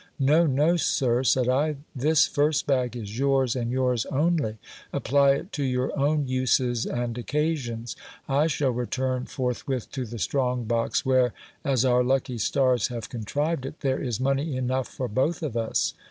No, no, sir, said I, this first bag is yours and yours only ; apply it to your own uses and occasions. I shall return forth with to the strong box, where, as our lucky stars have contrived it, there is money enough for both of us.